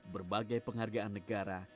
berbagai penghargaan negara